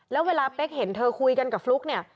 แล้วเวลาเป๊กเห็นเธอคุยกันกับฟลุ๊กเนี่ย